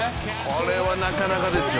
これはなかなかですよ。